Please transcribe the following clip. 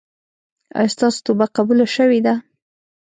ایا ستاسو توبه قبوله شوې ده؟